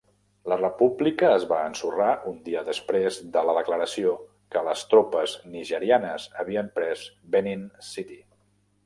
La república es va ensorrar un dia després de la declaració que les tropes nigerianes havien pres Benin City.